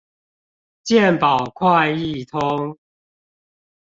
健保快易通